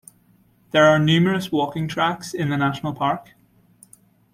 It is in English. There are numerous walking tracks in the national park.